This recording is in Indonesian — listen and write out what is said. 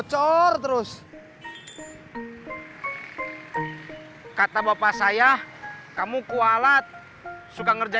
yaudah masuk ya